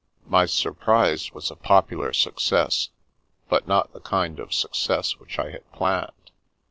My surprise was a popular success, but not the kind of success which I had planned.